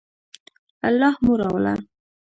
الله مو راوله